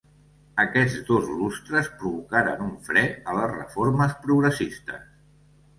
Aquests dos lustres provocaren un fre a les reformes progressistes.